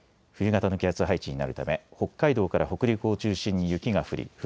冬型の気圧配置になるため北海道から北陸を中心に雪が降り